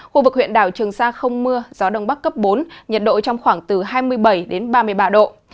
khu vực huyện đảo trường sa không mưa gió đông bắc cấp bốn nhiệt độ trong khoảng từ hai mươi bảy đến ba mươi ba độ